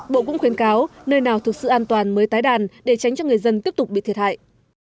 bộ cũng khuyến cáo nơi nào thực sự an toàn mới tái đàn để tránh cho người dân tiếp tục bị thiệt hại